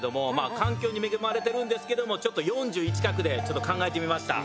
環境に恵まれてるんですけども４１画で考えてみました。